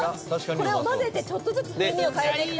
これを混ぜてちょっとずつ風味を変えてく感じ